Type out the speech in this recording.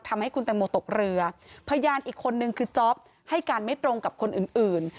ทำให้คุณแตงโมตกเรือพยานอีกคนนึงคือจ๊อปให้การไม่ตรงกับคนอื่นอื่น